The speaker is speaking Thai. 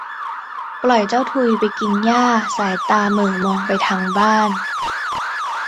ปล่อยเจ้าทุยไปกินหญ้าสายตาเหม่อมองไปทางบ้าน